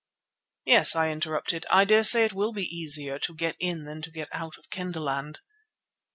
"Yes," I interrupted, "I dare say it will be easier to get in than to get out of Kendahland."